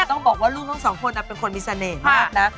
ต้องบอกว่าลูกทั้งสองคนเป็นคนมีเสน่ห์มากนะ